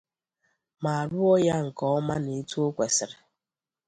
ma rụọ ya nke ọma na otu o kwesiri.